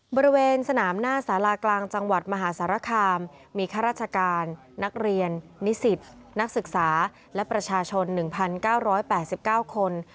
บริเวณสนามหน้าสารากลางจังหวัดมหาสารคามมีข้าราชการนักเรียนนิสิตนักศึกษาและประชาชน๑๙๘๙คน